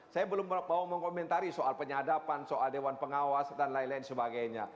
saya belum mau mengkomentari soal penyadapan soal dewan pengawas dan lain lain sebagainya